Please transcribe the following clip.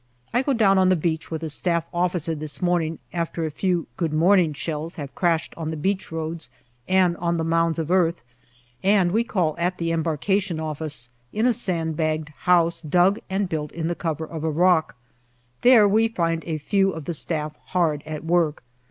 I go down on the beach with a Staff officer this morn ing after a few " Good morning " shells have crashed on the beach roads and on the mounds of earth, and we call at the embarkation office, in a sand bagged house, dug and built in the cover of a rock. There we find a few of the Staff hard at work.